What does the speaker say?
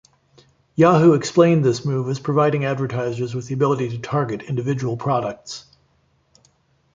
Yahoo explained this move as providing advertisers with the ability to target individual products.